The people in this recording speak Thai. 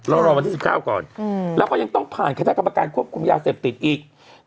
รอวันที่๑๙ก่อนแล้วก็ยังต้องผ่านคณะกรรมการควบคุมยาเสพติดอีก